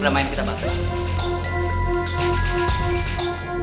berdamain kita pak